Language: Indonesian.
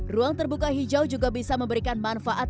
ruang terbuka hijau juga bisa memberikan manfaat